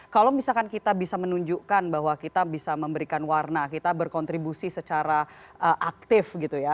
kalau misalkan kita bisa menunjukkan bahwa kita bisa memberikan warna kita berkontribusi secara aktif gitu ya